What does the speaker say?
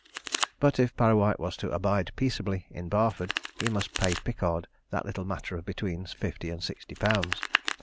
But if Parrawhite was to abide peaceably in Barford, he must pay Pickard that little matter of between fifty and sixty pounds.